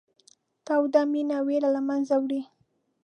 توده مینه وېره له منځه وړي.